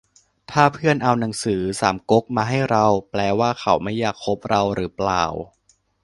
ถ้าเพื่อนเอาหนังสือสามก๊กมาให้เรา แปลว่าเขาไม่อยากคบเราหรือเปล่า